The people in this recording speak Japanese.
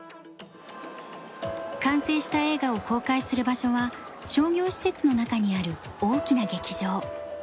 完成した映画を公開する場所は商業施設の中にある大きな劇場。